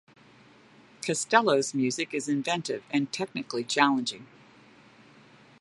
Castello's music is inventive and technically challenging.